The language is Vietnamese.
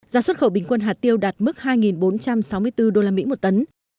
giá xuất khẩu bình quân hạt tiêu đạt mức hai bốn trăm sáu mươi bốn đô la mỹ một tấn